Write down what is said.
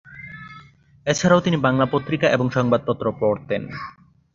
এছাড়াও তিনি বাংলা পত্রিকা এবং সংবাদপত্র পড়তেন।